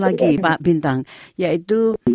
lagi pak bintang yaitu